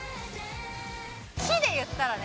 期で言ったらね